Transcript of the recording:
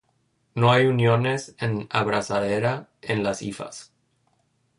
No hay uniones en abrazadera en las hifas.